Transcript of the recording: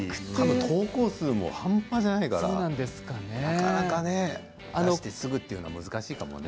投稿数も半端じゃないからなかなかね出してすぐというのは難しいかもね。